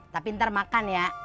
tapi ntar makan ya